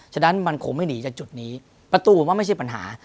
ฉะนั้นมันคงไม่หนีจากจุดนี้ประตูผมว่าไม่ใช่ปัญหา